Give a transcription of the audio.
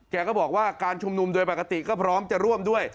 แกก็บอกว่าการชุมนุมโดยปกติก็พร้อมจะร่วมด้วย